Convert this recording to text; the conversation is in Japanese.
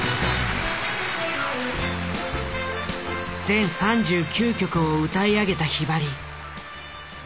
全３９曲を歌い上げたひばり。